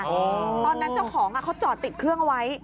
ตอนนั้นเจ้าของเขาจอดติดเครื่องเอาไว้